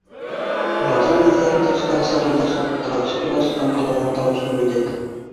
Уларҙың һүҙҙәрен тышта сырылдашып талашып илашҡан балалар тауышы бүлде.